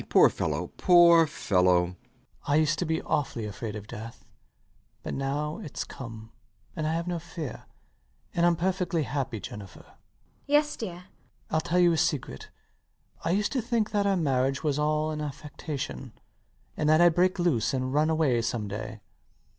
Poor fellow! Poor fellow! LOUIS [musing] I used to be awfully afraid of death; but now it's come I have no fear; and I'm perfectly happy. Jennifer. MRS DUBEDAT. Yes, dear? LOUIS. I'll tell you a secret. I used to think that our marriage was all an affectation, and that I'd break loose and run away some day.